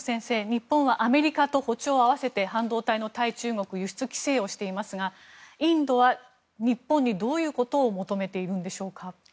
日本はアメリカと歩調を合わせて半導体の対中国輸出規制をしていますがインドは日本にどういうことを求めているんでしょうか。